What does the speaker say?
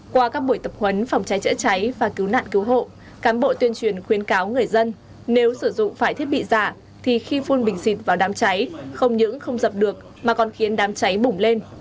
qua các buổi tập huấn phòng cháy chữa cháy và cứu nạn cứu hộ cán bộ tuyên truyền khuyến cáo người dân nếu sử dụng phải thiết bị giả thì khi phun bình xịt vào đám cháy không những không dập được mà còn khiến đám cháy bủng lên